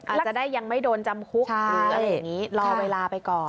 อาจจะได้ยังไม่โดนจำคุกหรืออะไรอย่างนี้รอเวลาไปก่อน